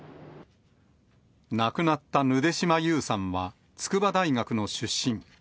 亡くなったぬで島優さんは、筑波大学の出身。